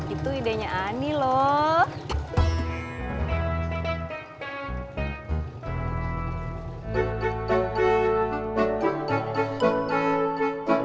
itu idenya ani loh